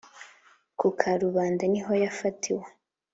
ku karubanda niho yafatiwe